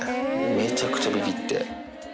めちゃくちゃびびって。